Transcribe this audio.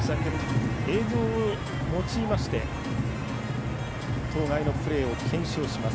映像を用いまして当該のプレーを検証します。